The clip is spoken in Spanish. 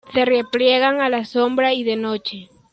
Se repliegan a la sombra y de noche.